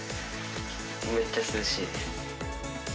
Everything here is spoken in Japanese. めっちゃ涼しい。